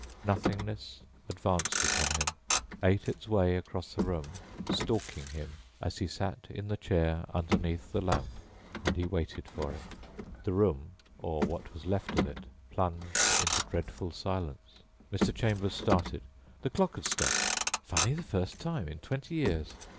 Nothingness advanced upon him, ate its way across the room, stalking him as he sat in the chair underneath the lamp. And he waited for it. The room, or what was left of it, plunged into dreadful silence. Mr. Chambers started. The clock had stopped. Funny ... the first time in twenty years.